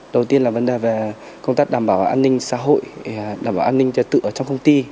đầu tiên là vấn đề về công tác đảm bảo an ninh xã hội đảm bảo an ninh trật tự ở trong công ty